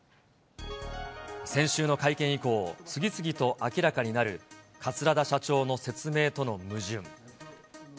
先週の会見以降、次々と明らかになる、桂田社長の説明との矛盾。